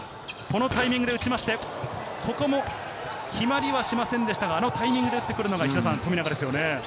このタイミングで打ちまして、ここも決まりはしませんでしたが、あのタイミングで打ってくるのが富永ですね。